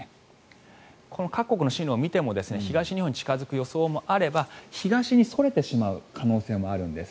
この各国の進路を見てみますと東日本に近付く予想もあれば東にそれてしまう可能性もあるんです。